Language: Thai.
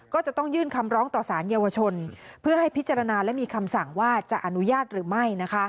ก็จะต้องยื่นคำร้องต่อสารเยาวชนเพื่อให้พิจารณาและมีคำสั่งว่าจะอนุญาตหรือไม่